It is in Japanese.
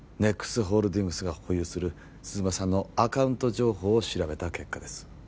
ＮＥＸホールディングスが保有する鈴間さんのアカウント情報を調べた結果です